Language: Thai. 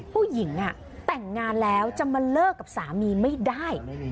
ผู้หญิงแต่งงานแล้วจะมาเลิกกับสามีไม่ได้